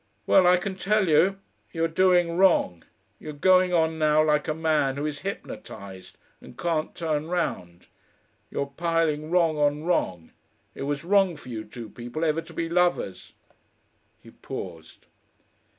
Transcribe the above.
.. Well, I can tell you, you're doing wrong. You're going on now like a man who is hypnotised and can't turn round. You're piling wrong on wrong. It was wrong for you two people ever to be lovers." He paused.